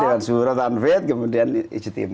dewan surong tanve kemudian ijtm